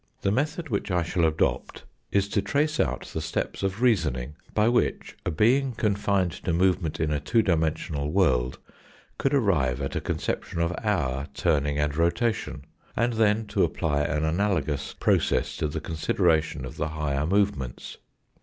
The method which I shall adopt is to trace out the steps of reasoning by which a being confined to movement in a two dimensional world could arrive at a conception of our turning and rotation, and then to apply an analogous process to the consideration of the higher movements.